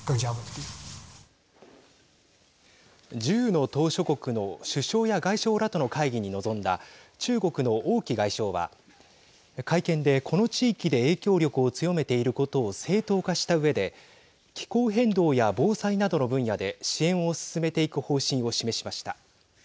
１０の島しょ国の首相や外相らとの会議に臨んだ中国の王毅外相は会見で、この地域で影響力を強めていることを正当化したうえで気候変動や防災などの分野で支援を進めていく方針を示しました。